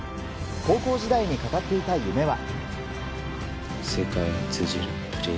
高校時代に語っていた夢は。